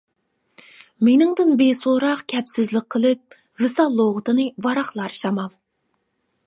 مېنىڭدىن بىسوراق كەپسىزلىك قىلىپ، ۋىسال لۇغىتىنى ۋاراقلار شامال.